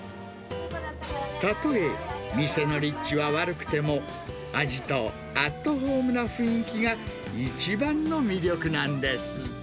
例え店の立地は悪くても、味とアットホームな雰囲気が、一番の魅力なんです。